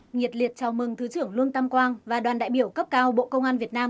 nhiệt liệt chào mừng thứ trưởng lương tam quang và đoàn đại biểu cấp cao bộ công an việt nam